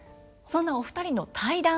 そんなお二人の対談